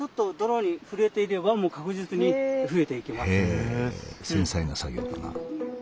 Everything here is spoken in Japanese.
へえ繊細な作業だな。